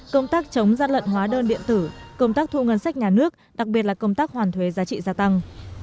công tác chống gian lận hóa đơn điện tử công tác thu ngân sách nhà nước đặc biệt là công tác hoàn thuế giá trị gia tăng